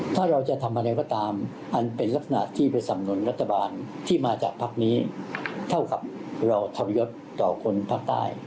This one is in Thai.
ถ้าเราจะทำอะไรก็ตามอันเป็นลักษณะที่ไปสำนุนรัฐบาลที่มาจากพักนี้เท่ากับเราทรพยศต่อคนภาคใต้